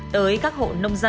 tới các hộ nông nghiệp